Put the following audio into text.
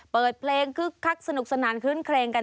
เปิดเพลงคึกคักสนุกสนานคลื้นเครงกัน